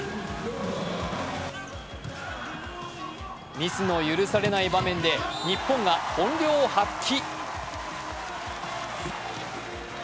ミスの許されない場面で日本が本領を発揮。